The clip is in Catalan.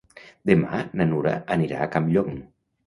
Demà na Nura anirà a Campllong.